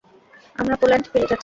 আমরা পোল্যান্ড ফিরে যাচ্ছি।